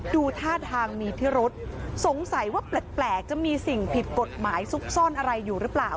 ดูท่าทางมีพิรุษสงสัยว่าแปลกจะมีสิ่งผิดกฎหมายซุกซ่อนอะไรอยู่หรือเปล่า